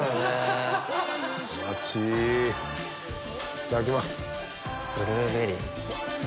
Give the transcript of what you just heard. いただきます。